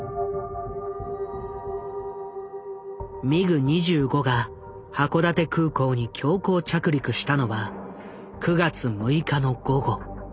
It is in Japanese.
ミグ２５が函館空港に強行着陸したのは９月６日の午後。